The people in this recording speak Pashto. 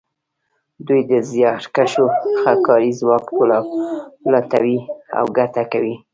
دوی د زیارکښو کاري ځواک لوټوي او ګټه کوي